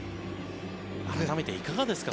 改めていかがですか